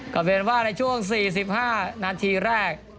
ก็เป็นว่าในช่วง๔๕นาทีแรก